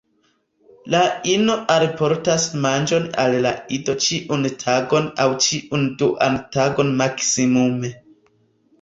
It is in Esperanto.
La ino alportas manĝon al la ido ĉiun tagon aŭ ĉiun duan tagon maksimume.